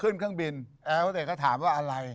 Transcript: ขึ้นเครื่องบินแอร์ฮอสเต็ดก็ถามว่าอะไร